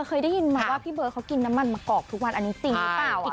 เคยได้ยินมาว่าพี่เบิร์ดเขากินน้ำมันมะกอกทุกวันอันนี้จริงหรือเปล่า